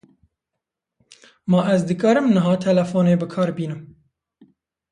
Ma ez dikarim niha têlefonê bikar bînim